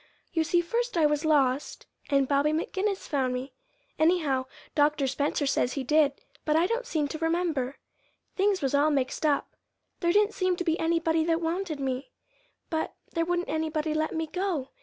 "You see first I was lost, and Bobby McGinnis found me. Anyhow, Dr. Spencer says he did, but I don't seem to remember. Things was all mixed up. There didn't seem to be anybody that wanted me, but there wouldn't anybody let me go.